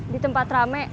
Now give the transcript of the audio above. di tempat rame